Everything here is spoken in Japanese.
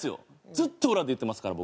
ずっと裏で言ってますから僕。